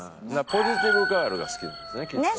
ポジティブガールが好きなんですねきっとね。